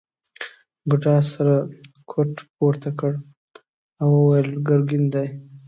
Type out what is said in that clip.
بوډا سره کوټ پورته کړ او وویل ګرګین دی.